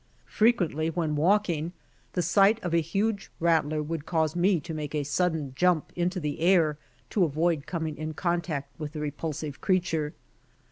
Frequently when walking the sight of a huge rattler would cause me to make a sudden jump into the air to avoid coming in contact with the repulsive creature.